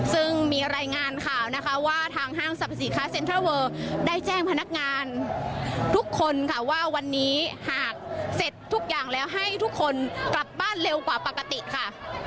ซึ่งมีรายงานข่าวนะคะว่าทางห้างสรรพสินค้าเซ็นทรัลเวอร์ได้แจ้งพนักงานทุกคนค่ะว่าวันนี้หากเสร็จทุกอย่างแล้วให้ทุกคนกลับบ้านเร็วกว่าปกติค่ะ